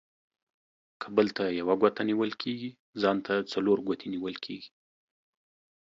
که بل ته يوه گوته نيول کېږي ، ځان ته څلور گوتي نيول کېږي.